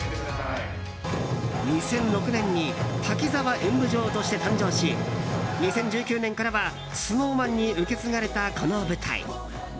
２００６年に「滝沢演舞城」として誕生し２０１９年からはＳｎｏｗＭａｎに受け継がれたこの舞台。